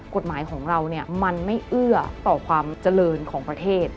กฎหมายของเรามันไม่เอื้อต่อความเจริญของประเทศ